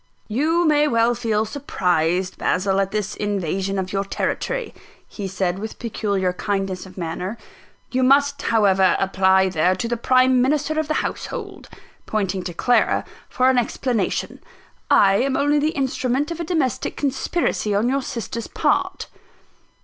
"You may well feel surprised, Basil, at this invasion of your territory," he said, with peculiar kindness of manner "you must, however, apply there, to the prime minister of the household," pointing to Clara, "for an explanation. I am only the instrument of a domestic conspiracy on your sister's part."